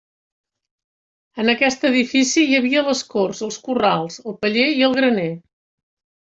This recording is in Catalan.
En aquest edifici hi havia les corts, els corrals, el paller i el graner.